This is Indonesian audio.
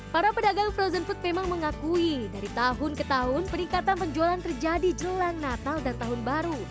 para pedagang frozen food memang mengakui dari tahun ke tahun peningkatan penjualan terjadi jelang natal dan tahun baru